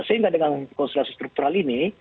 sehingga dengan konstelasi struktural ini